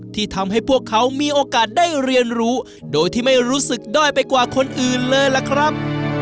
ที่ทำให้พวกเขามีโอกาสได้เรียนรู้โดยที่ไม่รู้สึกด้อยไปกว่าคนอื่นเลยล่ะครับ